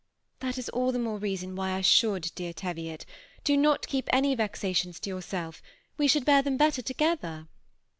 "That is all the more reason why I should, dear Teviot. Do not keep any vexations to yourself! we should bear them better together."